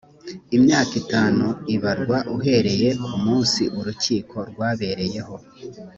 imyaka itanu ibarwa uhereye ku munsi urukiko rwabereyeho